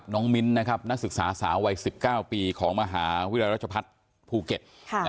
มิ้นนะครับนักศึกษาสาววัย๑๙ปีของมหาวิทยาลัยราชพัฒน์ภูเก็ต